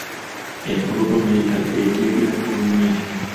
Empologoma enkadde eteegera ku lunnya.